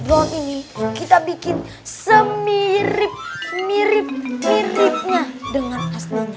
go ini kita bikin semirip mirip miripnya dengan aslinya